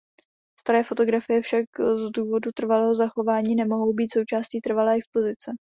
Staré fotografie však z důvodu trvalého zachování nemohou být součástí trvalé expozice.